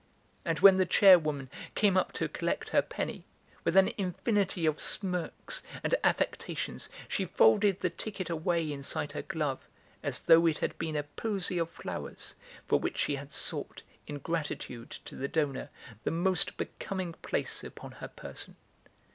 And when the chair woman came up to collect her penny, with an infinity of smirks and affectations she folded the ticket away inside her glove, as though it had been a posy of flowers, for which she had sought, in gratitude to the donor, the most becoming place upon her person.